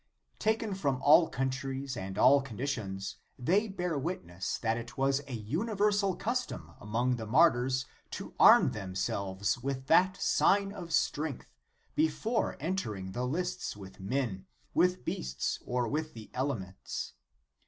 * Taken from all countries and all conditions, they bear witness that it was a universal custom among the martyrs to arm them selves with that sign of strength, before entering the lists with men, with beasts, or with the elements.